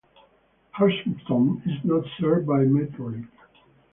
Urmston is not served by Metrolink.